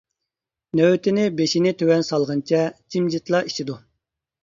نۆۋىتىنى بېشىنى تۆۋەن سالغىنىچە جىمجىتلا ئىچىدۇ.